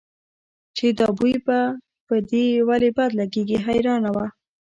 چې دا بوی به په دې ولې بد لګېږي حیرانه وه.